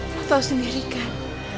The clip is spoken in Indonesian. lo tau sendiri kan